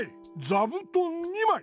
ざぶとん２まい！